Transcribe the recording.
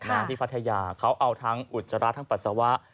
ไนที่พัทยาเขาเอาทางอุทราทักปรัสสาวะ